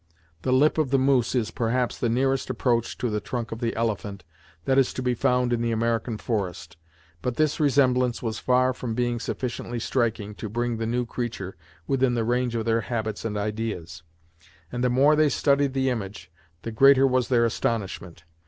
The lip of the moose is, perhaps, the nearest approach to the trunk of the elephant that is to be found in the American forest, but this resemblance was far from being sufficiently striking to bring the new creature within the range of their habits and ideas, and the more they studied the image, the greater was their astonishment.